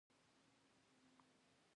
د کونړ په چپه دره کې د سمنټو مواد شته.